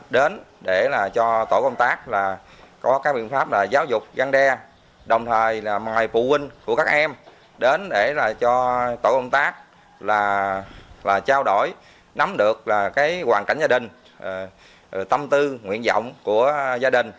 để cho tổ công tác trao đổi nắm được hoàn cảnh gia đình tâm tư nguyện vọng của gia đình